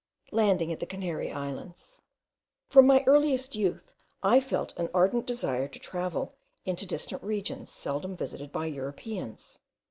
LANDING AT THE CANARY ISLANDS. From my earliest youth I felt an ardent desire to travel into distant regions, seldom visited by Europeans.